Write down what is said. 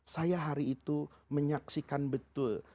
saya hari itu menyaksikan betul